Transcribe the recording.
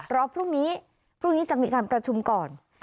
รอพรุ่งนี้พรุ่งนี้จะมีการประชุมก่อน